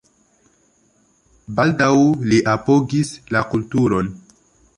Baldaŭ li apogis la kulturon.